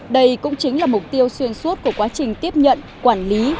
đây cũng chính là mục tiêu xuyên suốt của quá trình tiếp nhận quản lý